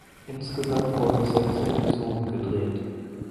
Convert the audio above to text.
Insgesamt wurden sechs Episoden gedreht.